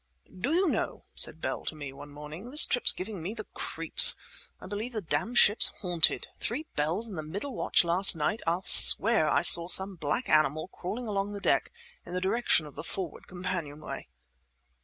"Do you know," said Bell to me, one morning, "this trip's giving me the creeps. I believe the damned ship's haunted! Three bells in the middle watch last night, I'll swear I saw some black animal crawling along the deck, in the direction of the forward companion way."